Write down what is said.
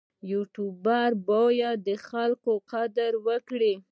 یوټوبر باید د خلکو قدر وکړي.